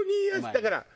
だから。